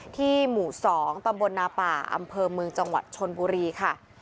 หมู่๒ตำบลนาป่าอำเภอเมืองจังหวัดชนบุรีค่ะ